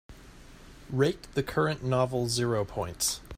rate the current novel zero points